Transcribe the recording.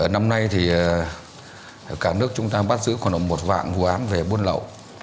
năm nay thì cả nước chúng ta bắt giữ khoảng một vạn vụ án về buôn lậu